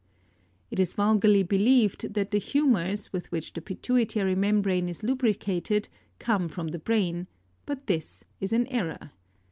31. It is vulgarly believed that the humors with which the pituitary membrane is lubricated come from the brain ; but this is an error.